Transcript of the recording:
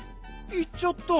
いっちゃった。